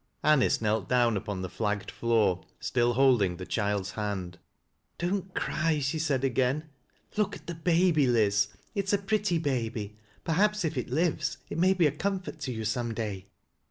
Anice knelt down upon the flagged floor, still holding iiie child's hand. " Don't cry," she said again. " Look at the baby, Laz It is a pretty baby. Perhaps if it lives, it may be a comfort to you some day."